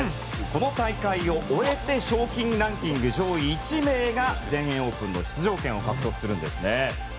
この大会を終えて賞金ランキング上位１名が全英オープンの出場権を獲得するんですね。